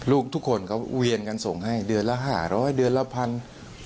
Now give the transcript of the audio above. ลูกทุกคนเค้าเวียนกันส่งให้เดือนละห้าร้อยเดือนละพันธุ์